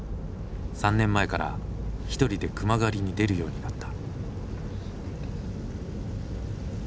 ３年前から一人で熊狩りに出るようになった。